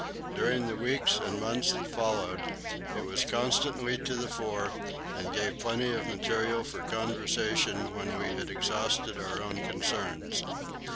During the weeks and months that followed, it was constantly to the fore, and gave plenty of material for conversation when we had exhausted our own concerns.